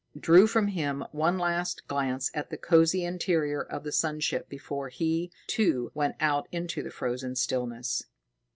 drew from him one last glance at the cozy interior of the sun ship before he, too, went out into the frozen stillness.